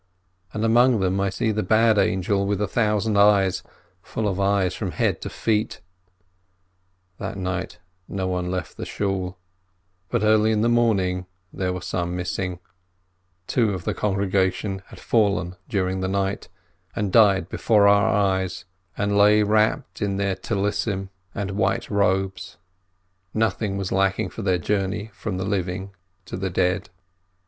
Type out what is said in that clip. And among them I see the bad angel with the thousand eyes, full of eyes from head to feet. That night no one left the Shool, but early in the morning there were some missing — two of the congre gation had fallen during the night, and died before our eyes, and lay wrapped in their prayer scarfs and white THREE WHO ATE 273 robes — nothing was lacking for their journey from the living to the dead.